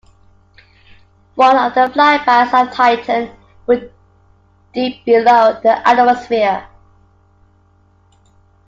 One of the flybys of Titan will dip below the ionosphere.